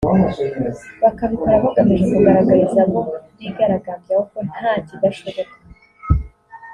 bakabikora bagamije kugaragariza abo bigaragambyaho ko nta kidashoboka